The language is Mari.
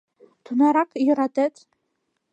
— Тунарак йӧратет?